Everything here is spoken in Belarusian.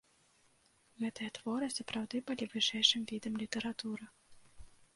Гэтыя творы сапраўды былі вышэйшым відам літаратуры.